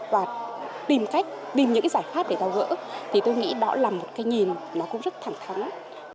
và tìm cách tìm những cái giải pháp để thao gỡ thì tôi nghĩ đó là một cái nhìn nó cũng rất thẳng thắng